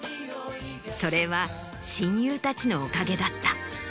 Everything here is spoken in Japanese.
それは親友たちのおかげだった。